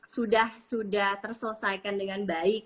sudah terselesaikan dengan baik